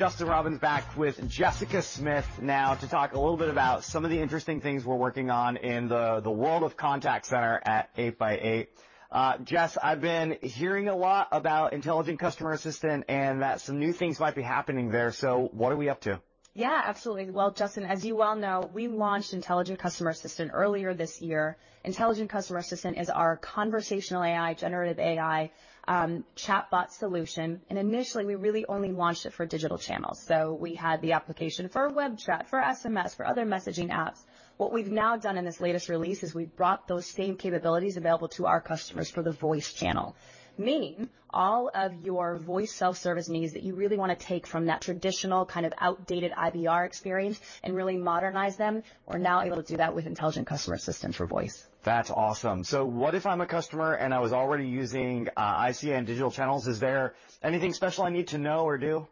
Justin Robbins, back with Jessica Smith now to talk a little bit about some of the interesting things we're working on in the world of contact center at 8x8. Jess, I've been hearing a lot about Intelligent Customer Assistant and that some new things might be happening there. So what are we up to?174.533 Yeah, absolutely. Well, Justin, as you well know, we launched Intelligent Customer Assistant earlier this year. Intelligent Customer Assistant is our conversational AI, generative AI, chatbot solution, and initially, we really only launched it for digital channels. So, we had the application for web chat, for SMS, for other messaging apps. What we've now done in this latest release is we've brought those same capabilities available to our customers for the voice channel, meaning all of your voice self-service needs that you really want to take from that traditional, kind of outdated IVR experience and really modernize them, we're now able to do that with Intelligent Customer Assistant for voice. That's awesome. So what if I'm a customer, and I was already using ICA and digital channels? Is there anything special I need to know or do?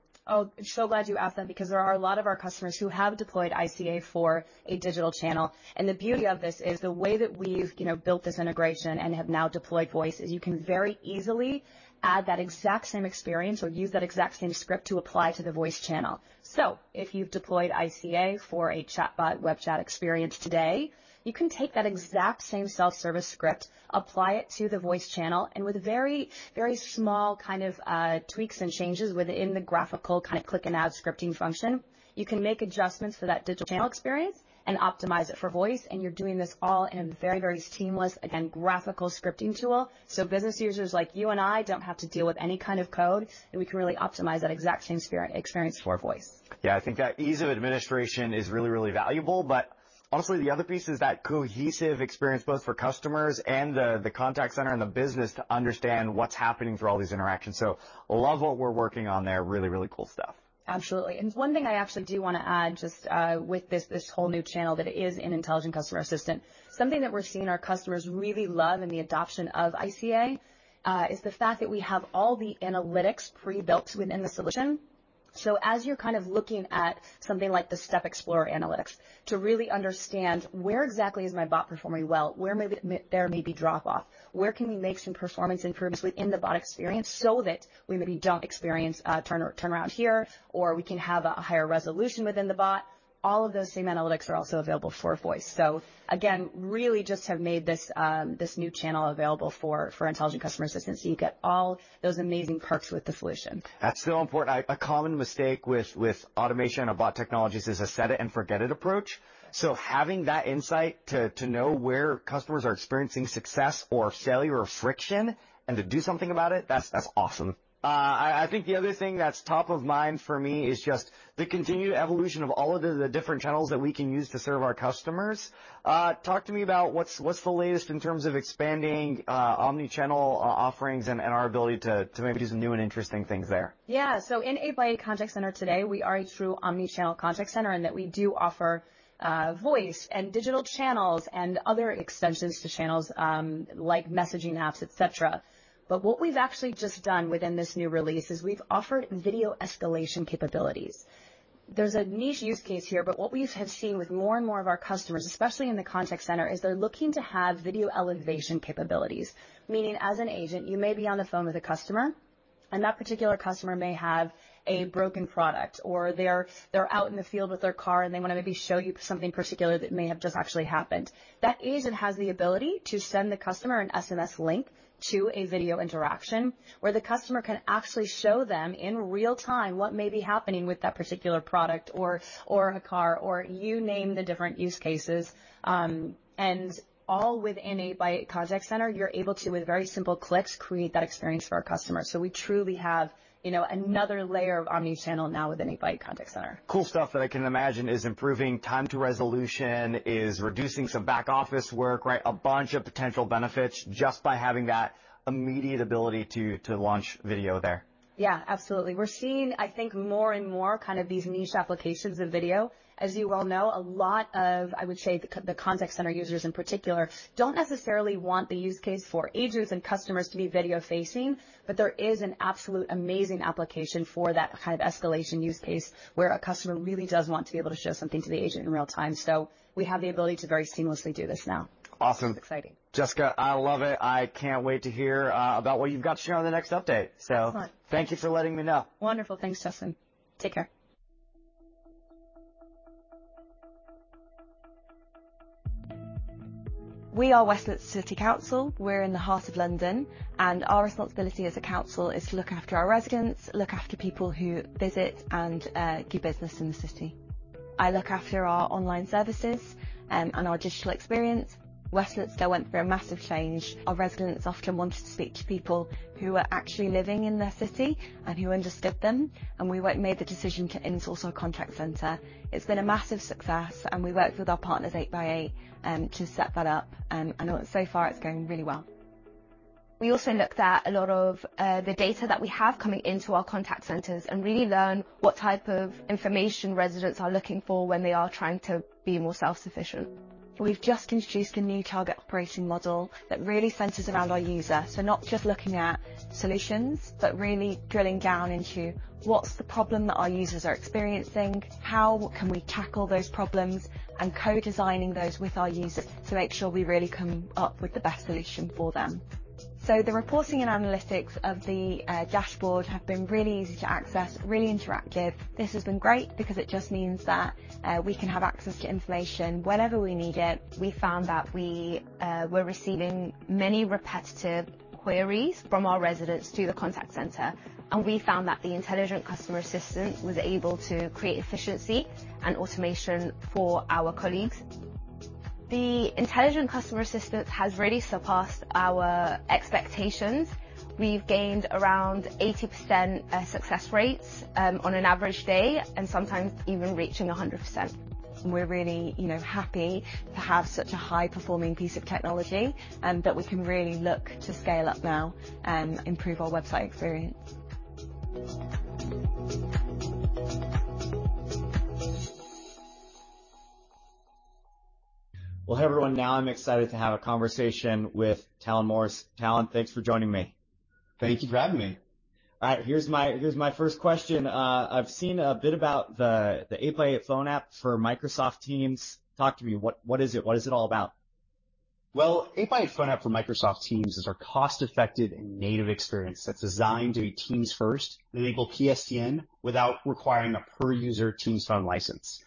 So glad you asked that, because there are a lot of our customers who have deployed ICA for a digital channel, and the beauty of this is the way that we've, you know, built this integration and have now deployed voice is you can very easily add that exact same experience or use that exact same script to apply to the voice channel. So if you've deployed ICA for a chatbot web chat experience today, you can take that exact same self-service script, apply it to the voice channel, and with very, very small kind of tweaks and changes within the graphical kind of click and add scripting function, you can make adjustments for that digital channel experience and optimize it for voice, and you're doing this all in a very, very seamless, again, graphical scripting tool. So business users like you and I don't have to deal with any kind of code, and we can really optimize that exact same experience for voice. Yeah, I think that ease of administration is really, really valuable. But honestly, the other piece is that cohesive experience, both for customers and the, the contact center and the business to understand what's happening through all these interactions. So love what we're working on there. Really, really cool stuff. Absolutely. And one thing I actually do want to add, just, with this whole new channel, that it is an Intelligent Customer Assistant. Something that we're seeing our customers really love in the adoption of ICA is the fact that we have all the analytics pre-built within the solution. So as you're kind of looking at something like the Step Explorer analytics to really understand, where exactly is my bot performing well? Where there may be drop-off? Where can we make some performance improvements within the bot experience so that we maybe don't experience a turn around here, or we can have a higher resolution within the bot? All of those same analytics are also available for voice. So again, really just have made this, this new channel available for Intelligent Customer Assistant, so you get all those amazing perks with the solution. That's so important. A common mistake with automation of bot technologies is a set-it-and-forget-it approach. So having that insight to know where customers are experiencing success or failure or friction, and to do something about it, that's awesome. I think the other thing that's top of mind for me is just the continued evolution of all of the different channels that we can use to serve our customers. Talk to me about what's the latest in terms of expanding omnichannel offerings and our ability to maybe do some new and interesting things there. Yeah. So in 8x8 Contact Center today, we are a true omnichannel contact center, and that we do offer voice and digital channels and other extensions to channels like messaging apps, et cetera. But what we've actually just done within this new release is we've offered video escalation capabilities. There's a niche use case here, but what we have seen with more and more of our customers, especially in the contact center, is they're looking to have Video Elevation capabilities. Meaning, as an agent, you may be on the phone with a customer, and that particular customer may have a broken product, or they're out in the field with their car, and they want to maybe show you something particular that may have just actually happened. That agent has the ability to send the customer an SMS link to a video interaction, where the customer can actually show them in real time what may be happening with that particular product or a car, or you name the different use cases. And all within 8x8 Contact Center, you're able to, with very simple clicks, create that experience for our customers. So we truly have, you know, another layer of omnichannel now within 8x8 Contact Center. Cool stuff that I can imagine is improving time to resolution, is reducing some back-office work, right? A bunch of potential benefits just by having that immediate ability to launch video there. Yeah, absolutely. We're seeing, I think, more and more kind of these niche applications of video. As you well know, a lot of, I would say, the contact center users in particular, don't necessarily want the use case for agents and customers to be video-facing, but there is an absolute amazing application for that kind of escalation use case, where a customer really does want to be able to show something to the agent in real time. So we have the ability to very seamlessly do this now. Awesome. It's exciting. Jessica, I love it. I can't wait to hear about what you've got to share on the next update. Excellent. Thank you for letting me know. Wonderful. Thanks, Justin. Take care. We are Westminster City Council. We're in the heart of London, and our responsibility as a council is to look after our residents, look after people who visit, and do business in the city. I look after our online services and our digital experience. Westminster went through a massive change. Our residents often wanted to speak to people who were actually living in their city and who understood them, and made the decision to in-source our contact center. It's been a massive success, and we worked with our partners, 8x8, to set that up. And so far, it's going really well. We also looked at a lot of the data that we have coming into our contact centers and really learn what type of information residents are looking for when they are trying to be more self-sufficient. We've just introduced a new target operating model that really centers around our user. So not just looking at solutions, but really drilling down into what's the problem that our users are experiencing, how can we tackle those problems, and co-designing those with our users to make sure we really come up with the best solution for them. So the reporting and analytics of the dashboard have been really easy to access, really interactive. This has been great because it just means that we can have access to information whenever we need it. We found that we were receiving many repetitive queries from our residents to the contact center, and we found that the Intelligent Customer Assistant was able to create efficiency and automation for our colleagues. The Intelligent Customer Assistant has really surpassed our expectations. We've gained around 80%, success rates, on an average day, and sometimes even reaching 100%. We're really, you know, happy to have such a high-performing piece of technology, and that we can really look to scale up now and improve our website experience. Well, hey, everyone. Now I'm excited to have a conversation with Talon Morris. Talon, thanks for joining me. Thank you for having me. All right, here's my first question. I've seen a bit about the 8x8 Phone App for Microsoft Teams. Talk to me. What is it? What is it all about? Well, 8x8 Phone App for Microsoft Teams is our cost-effective and native experience that's designed to be Teams first, enable PSTN without requiring a per-user Teams phone license,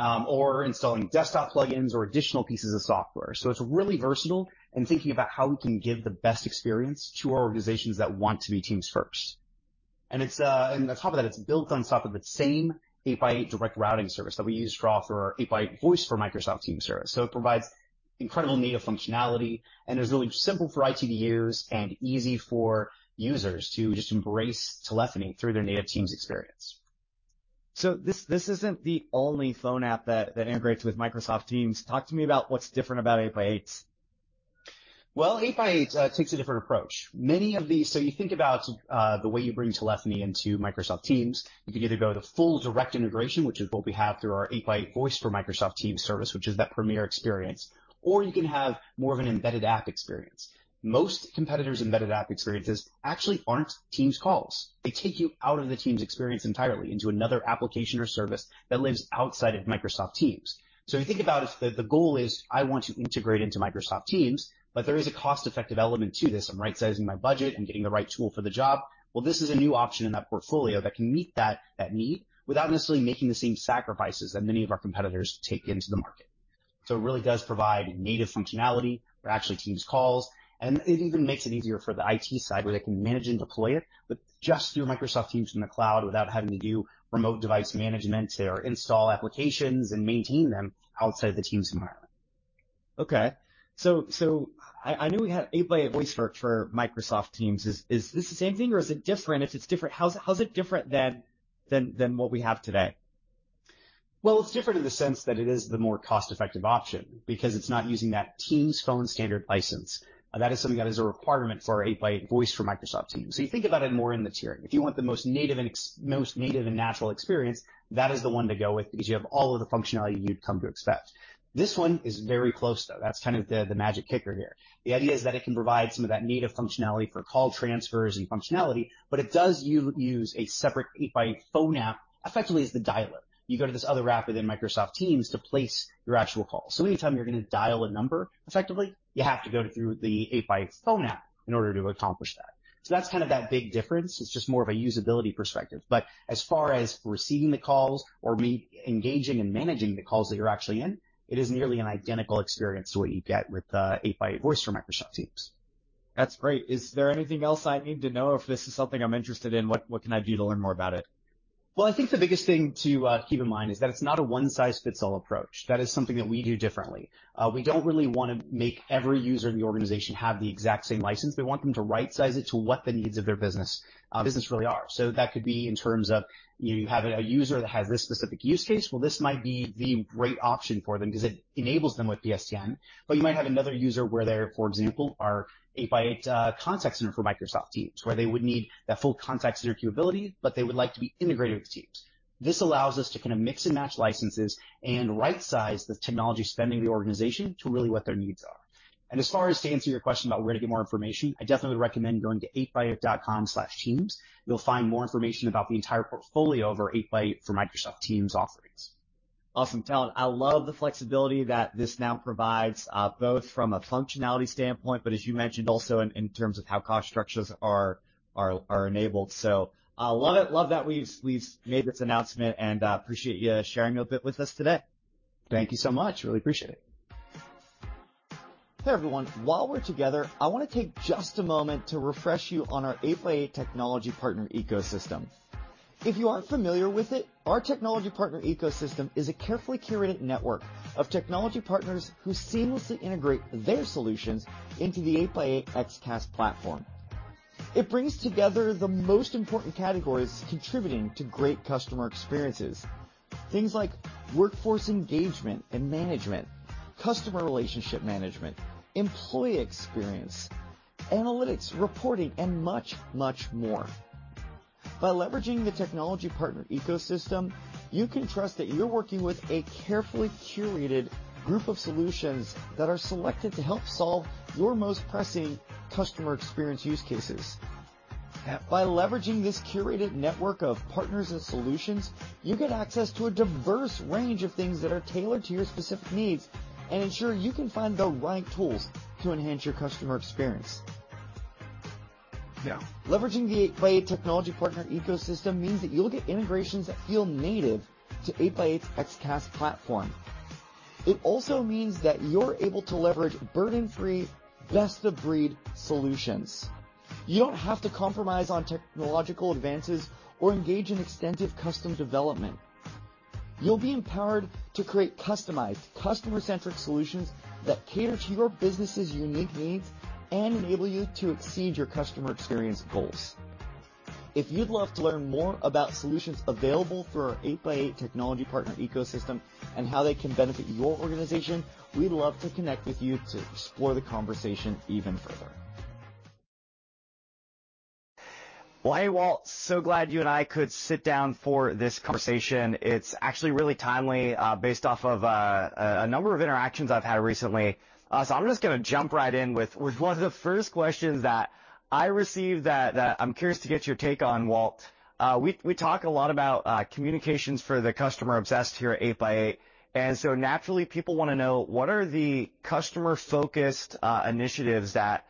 or installing desktop plugins or additional pieces of software. So it's really versatile in thinking about how we can give the best experience to our organizations that want to be Teams first. And on top of that, it's built on top of the same 8x8 Direct Routing service that we use to offer our 8x8 Voice for Microsoft Teams service. So it provides incredible native functionality, and it's really simple for IT to use and easy for users to just embrace telephony through their native Teams experience. So this isn't the only phone app that integrates with Microsoft Teams. Talk to me about what's different about 8x8. Well, 8x8 takes a different approach. So you think about the way you bring telephony into Microsoft Teams. You can either go the full direct integration, which is what we have through our 8x8 Voice for Microsoft Teams service, which is that premier experience, or you can have more of an embedded app experience. Most competitors' embedded app experiences actually aren't Teams calls. They take you out of the Teams experience entirely into another application or service that lives outside of Microsoft Teams. So you think about if the goal is: I want to integrate into Microsoft Teams, but there is a cost-effective element to this. I'm right-sizing my budget. I'm getting the right tool for the job. Well, this is a new option in that portfolio that can meet that need without necessarily making the same sacrifices that many of our competitors take into the market. So it really does provide native functionality for actually Teams calls, and it even makes it easier for the IT side, where they can manage and deploy it, but just through Microsoft Teams in the cloud, without having to do remote device management or install applications and maintain them outside the Teams environment. Okay. So I knew we had 8x8 Voice for Microsoft Teams. Is this the same thing or is it different? If it's different, how's it different than what we have today? Well, it's different in the sense that it is the more cost-effective option because it's not using that Teams Phone Standard license. That is something that is a requirement for our 8x8 Voice for Microsoft Teams. So you think about it more in the tier. If you want the most native and natural experience, that is the one to go with because you have all of the functionality you'd come to expect. This one is very close, though. That's kind of the magic kicker here. The idea is that it can provide some of that native functionality for call transfers and functionality, but it does use a separate 8x8 Phone App, effectively as the dialer. You go to this other app within Microsoft Teams to place your actual call. So anytime you're gonna dial a number, effectively, you have to go through the 8x8 Phone App in order to accomplish that. So that's kind of that big difference. It's just more of a usability perspective, but as far as receiving the calls or me engaging and managing the calls that you're actually in, it is nearly an identical experience to what you'd get with the 8x8 Voice for Microsoft Teams. That's great. Is there anything else I need to know? If this is something I'm interested in, what can I do to learn more about it? Well, I think the biggest thing to keep in mind is that it's not a one-size-fits-all approach. That is something that we do differently. We don't really want to make every user in the organization have the exact same license. We want them to right-size it to what the needs of their business, business really are. So that could be in terms of you have a user that has this specific use case, well, this might be the great option for them because it enables them with PSTN. But you might have another user where they're, for example, our 8x8 Contact Center for Microsoft Teams, where they would need that full contact center capability, but they would like to be integrated with Teams. This allows us to kind of mix and match licenses and right-size the technology spending of the organization to really what their needs are. And as far as to answer your question about where to get more information, I definitely recommend going to 8x8.com/teams. You'll find more information about the entire portfolio of our 8x8 for Microsoft Teams offerings. Awesome. Talon, I love the flexibility that this now provides, both from a functionality standpoint, but as you mentioned, also in terms of how cost structures are enabled. So, love it. Love that we've made this announcement, and appreciate you sharing a bit with us today. Thank you so much. Really appreciate it. Hey, everyone. While we're together, I want to take just a moment to refresh you on our 8x8 Technology Partner Ecosystem. If you aren't familiar with it, our Technology Partner Ecosystem is a carefully curated network of technology partners who seamlessly integrate their solutions into the 8x8 XCaaS platform. It brings together the most important categories contributing to great customer experiences. Things like workforce engagement and management, customer relationship management, employee experience, analytics, reporting, and much, much more. By leveraging the Technology Partner Ecosystem, you can trust that you're working with a carefully curated group of solutions that are selected to help solve your most pressing customer experience use cases. By leveraging this curated network of partners and solutions, you get access to a diverse range of things that are tailored to your specific needs and ensure you can find the right tools to enhance your customer experience. Yeah. Leveraging the 8x8 Technology Partner Ecosystem means that you'll get integrations that feel native to 8x8's XCaaS platform. It also means that you're able to leverage burden-free, best-of-breed solutions. You don't have to compromise on technological advances or engage in extensive custom development. You'll be empowered to create customized, customer-centric solutions that cater to your business's unique needs and enable you to exceed your customer experience goals. If you'd love to learn more about solutions available through our 8x8 Technology Partner Ecosystem and how they can benefit your organization, we'd love to connect with you to explore the conversation even further. Well, hey, Walt. So glad you and I could sit down for this conversation. It's actually really timely, based off of a number of interactions I've had recently. So I'm just gonna jump right in with one of the first questions that I received that I'm curious to get your take on, Walt. We talk a lot about communications for the customer-obsessed here at 8x8, and so naturally, people wanna know: what are the customer-focused initiatives that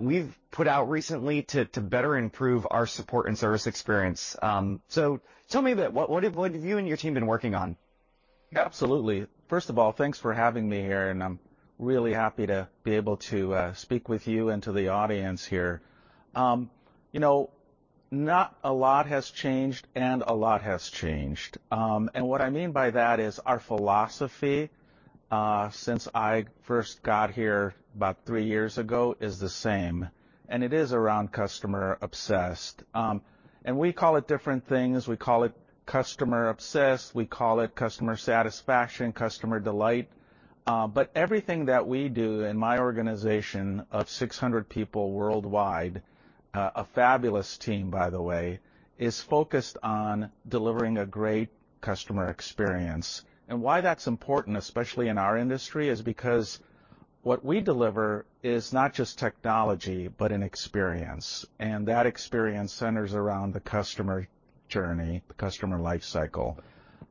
we've put out recently to better improve our support and service experience? So tell me a bit, what have you and your team been working on? Absolutely. First of all, thanks for having me here, and I'm really happy to be able to speak with you and to the audience here. You know, not a lot has changed, and a lot has changed. And what I mean by that is, our philosophy, since I first got here about three years ago, is the same, and it is around customer-obsessed. And we call it different things. We call it customer-obsessed. We call it customer satisfaction, customer delight. But everything that we do in my organization of 600 people worldwide, a fabulous team, by the way, is focused on delivering a great customer experience. And why that's important, especially in our industry, is because what we deliver is not just technology, but an experience, and that experience centers around the customer journey, the customer life cycle.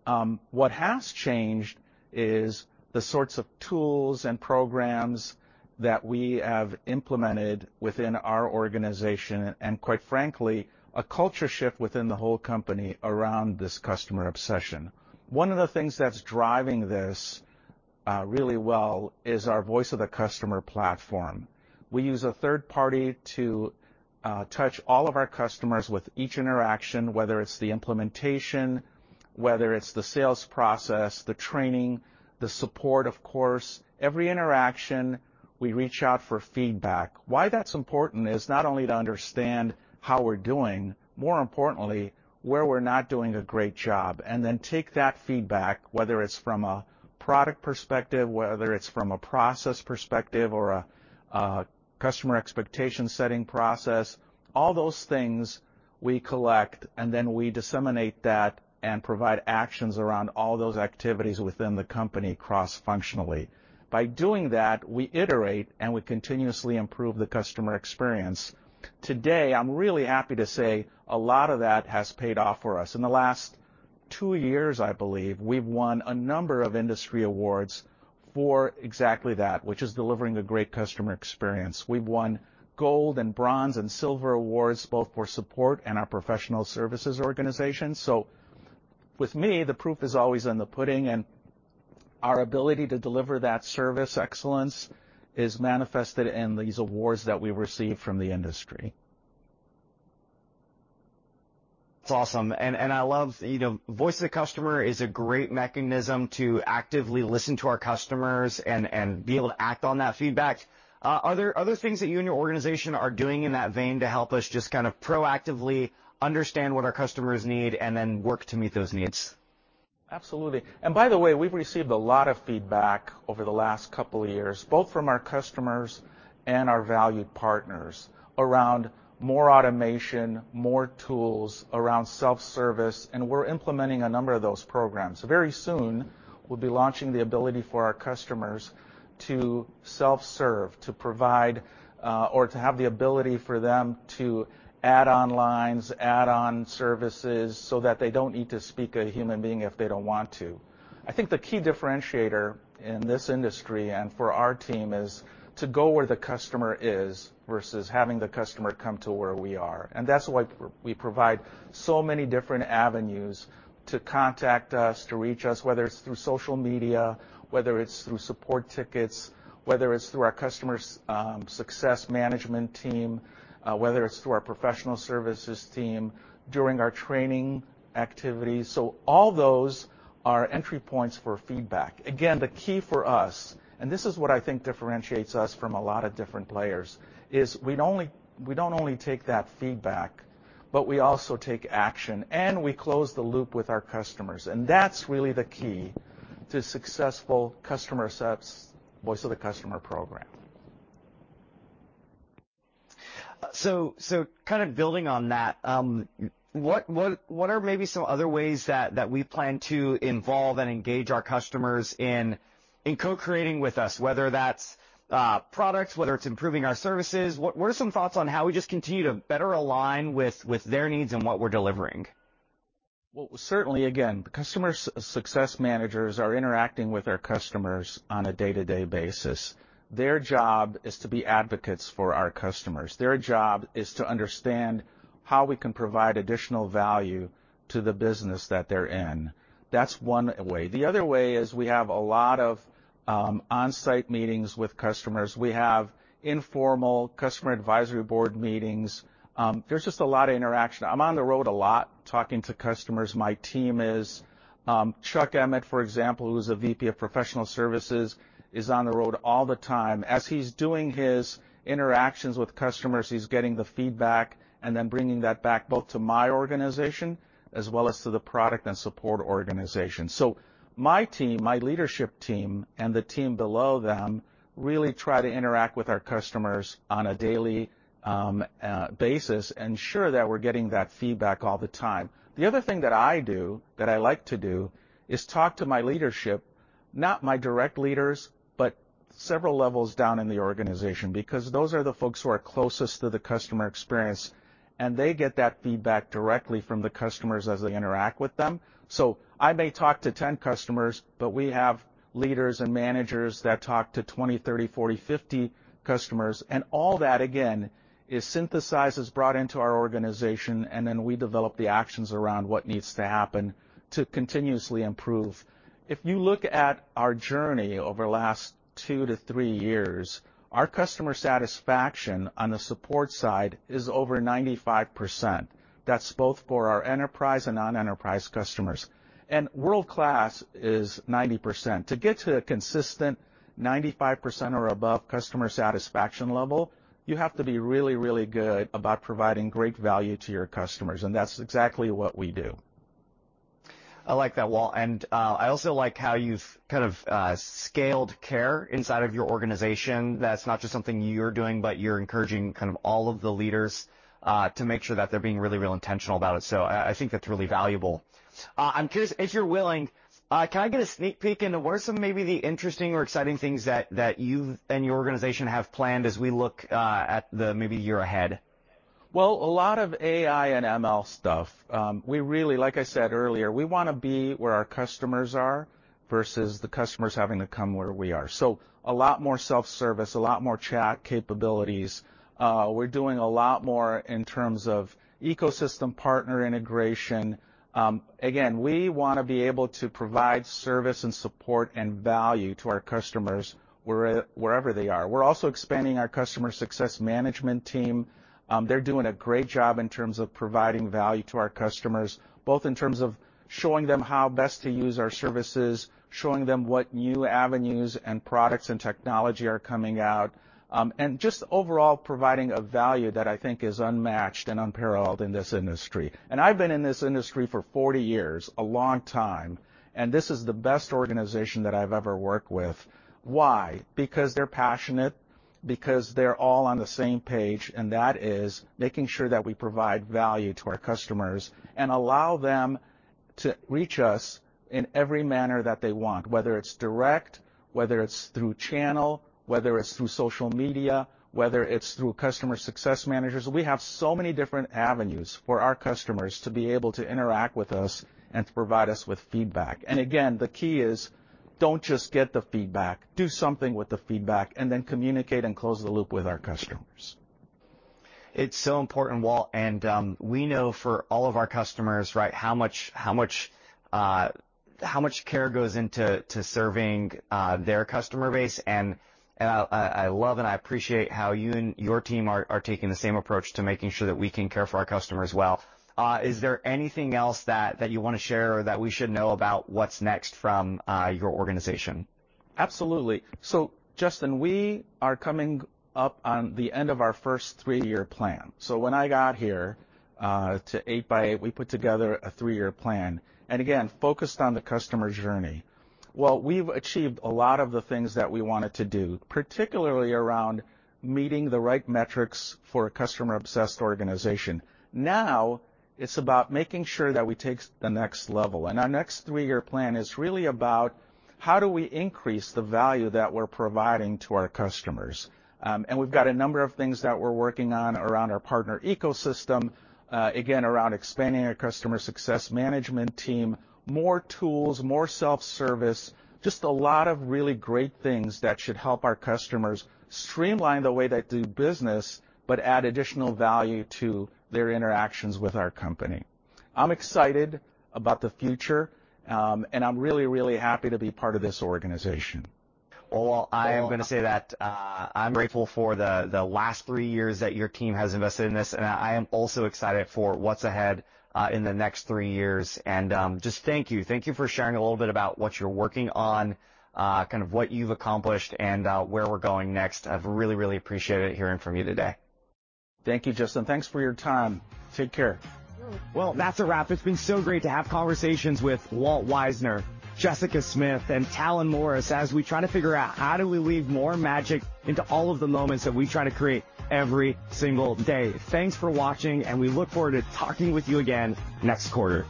What has changed is the sorts of tools and programs that we have implemented within our organization and, quite frankly, a culture shift within the whole company around this customer obsession. One of the things that's driving this really well is our Voice of the Customer platform. We use a third party to touch all of our customers with each interaction, whether it's the implementation, whether it's the sales process, the training, the support, of course. Every interaction, we reach out for feedback. Why that's important is not only to understand how we're doing, more importantly, where we're not doing a great job, and then take that feedback, whether it's from a product perspective, whether it's from a process perspective or a customer expectation setting process. All those things we collect, and then we disseminate that and provide actions around all those activities within the company cross-functionally. By doing that, we iterate, and we continuously improve the customer experience. Today, I'm really happy to say a lot of that has paid off for us. In the last two years, I believe, we've won a number of industry awards for exactly that, which is delivering a great customer experience. We've won gold and bronze and silver awards, both for support and our professional services organization. So with me, the proof is always in the pudding, and our ability to deliver that service excellence is manifested in these awards that we receive from the industry. That's awesome. And I love, you know, Voice of the Customer is a great mechanism to actively listen to our customers and be able to act on that feedback. Are there things that you and your organization are doing in that vein to help us just kind of proactively understand what our customers need and then work to meet those needs? Absolutely. And by the way, we've received a lot of feedback over the last couple of years, both from our customers and our valued partners, around more automation, more tools around self-service, and we're implementing a number of those programs. Very soon, we'll be launching the ability for our customers to self-serve, to provide, or to have the ability for them to add on lines, add on services, so that they don't need to speak a human being if they don't want to. I think the key differentiator in this industry and for our team is to go where the customer is versus having the customer come to where we are, and that's why we provide so many different avenues to contact us, to reach us, whether it's through social media, whether it's through support tickets, whether it's through our customer success management team, whether it's through our professional services team, during our training activities. All those are entry points for feedback. Again, the key for us, and this is what I think differentiates us from a lot of different players, is we don't only take that feedback, but we also take action, and we close the loop with our customers, and that's really the key to successful customer sats, Voice of the Customer program. So kind of building on that, what are maybe some other ways that we plan to involve and engage our customers in co-creating with us, whether that's products, whether it's improving our services? What are some thoughts on how we just continue to better align with their needs and what we're delivering? Well, certainly, again, customer success managers are interacting with our customers on a day-to-day basis. Their job is to be advocates for our customers. Their job is to understand how we can provide additional value to the business that they're in. That's one way. The other way is we have a lot of on-site meetings with customers. We have informal customer advisory board meetings. There's just a lot of interaction. I'm on the road a lot talking to customers. My team is. Chuck Emmette, for example, who's a VP of Professional Services, is on the road all the time. As he's doing his interactions with customers, he's getting the feedback and then bringing that back both to my organization as well as to the product and support organization. So my team, my leadership team, and the team below them really try to interact with our customers on a daily basis, ensure that we're getting that feedback all the time. The other thing that I do, that I like to do, is talk to my leadership, not my direct leaders, but several levels down in the organization, because those are the folks who are closest to the customer experience, and they get that feedback directly from the customers as they interact with them. So I may talk to 10 customers, but we have leaders and managers that talk to 20, 30, 40, 50 customers, and all that, again, is synthesized, is brought into our organization, and then we develop the actions around what needs to happen to continuously improve. If you look at our journey over the last two to three years, our customer satisfaction on the support side is over 95%. That's both for our enterprise and non-enterprise customers. World-class is 90%. To get to a consistent 95% or above customer satisfaction level, you have to be really, really good about providing great value to your customers, and that's exactly what we do. I like that, Walt, and I also like how you've kind of scaled care inside of your organization. That's not just something you're doing, but you're encouraging kind of all of the leaders to make sure that they're being really real intentional about it. So I think that's really valuable. I'm curious, if you're willing, can I get a sneak peek into what are some of maybe the interesting or exciting things that you and your organization have planned as we look at the maybe year ahead? Well, a lot of AI and ML stuff. We really like I said earlier, we wanna be where our customers are versus the customers having to come where we are. So a lot more self-service, a lot more chat capabilities. We're doing a lot more in terms of ecosystem partner integration. Again, we wanna be able to provide service and support and value to our customers wherever they are. We're also expanding our customer success management team. They're doing a great job in terms of providing value to our customers, both in terms of showing them how best to use our services, showing them what new avenues and products and technology are coming out, and just overall providing a value that I think is unmatched and unparalleled in this industry. And I've been in this industry for 40 years, a long time, and this is the best organization that I've ever worked with. Why? Because they're passionate, because they're all on the same page, and that is making sure that we provide value to our customers and allow them to reach us in every manner that they want, whether it's direct, whether it's through channel, whether it's through social media, whether it's through customer success managers. We have so many different avenues for our customers to be able to interact with us and to provide us with feedback. And again, the key is don't just get the feedback, do something with the feedback, and then communicate and close the loop with our customers. It's so important, Walt, and we know for all of our customers, right, how much care goes into serving their customer base, and I love and I appreciate how you and your team are taking the same approach to making sure that we can care for our customers well. Is there anything else that you wanna share or that we should know about what's next from your organization? Absolutely. So, Justin, we are coming up on the end of our first three-year plan. So when I got here, to 8x8, we put together a three-year plan and again, focused on the customer journey. Well, we've achieved a lot of the things that we wanted to do, particularly around meeting the right metrics for a customer-obsessed organization. Now, it's about making sure that we take the next level, and our next three-year plan is really about how do we increase the value that we're providing to our customers? And we've got a number of things that we're working on around our partner ecosystem, again, around expanding our customer success management team, more tools, more self-service, just a lot of really great things that should help our customers streamline the way they do business but add additional value to their interactions with our company. I'm excited about the future, and I'm really, really happy to be part of this organization. Well, I am gonna say that, I'm grateful for the last three years that your team has invested in this, and I am also excited for what's ahead, in the next three years. And, just thank you. Thank you for sharing a little bit about what you're working on, kind of what you've accomplished and, where we're going next. I've really, really appreciated hearing from you today. Thank you, Justin. Thanks for your time. Take care. Well, that's a wrap. It's been so great to have conversations with Walt Weisner, Jessica Smith, and Talon Morris as we try to figure out how do we weave more magic into all of the moments that we try to create every single day. Thanks for watching, and we look forward to talking with you again next quarter.